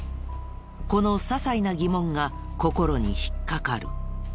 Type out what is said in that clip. この些細な疑問が心に引っかかる。